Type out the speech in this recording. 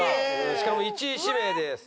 しかも１位指名です。